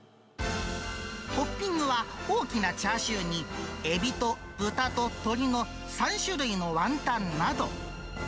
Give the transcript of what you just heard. トッピングは、大きなチャーシューに、エビと豚と鶏の３種類のワンタンなど。